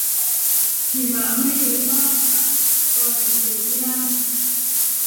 หิมะไม่เยอะมากนะตอนฉันอยู่ที่นั่น